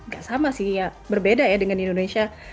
gak sama sih ya berbeda ya dengan di indonesia